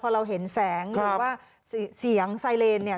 พอเราเห็นแสงหรือว่าเสียงไซเลนเนี่ย